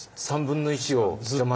３分の１を毎年。